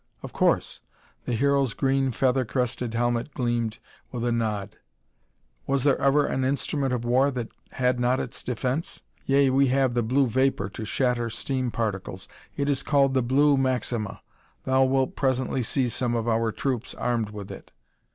"Of course." The Hero's green feather crested helmet gleamed with a nod. "Was there ever an instrument of war that had not its defence? Yea, we have the blue vapor to shatter steam particles it is called the blue maxima. Thou wilt presently see some of our troops armed with it."